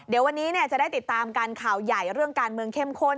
เดี๋ยววันนี้จะได้ติดตามกันข่าวใหญ่เรื่องการเมืองเข้มข้น